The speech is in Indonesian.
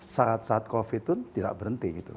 saat saat covid pun tidak berhenti gitu